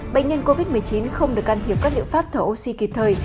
bệnh nhân covid một mươi chín không được can thiệp các liệu pháp thở oxy kịp thời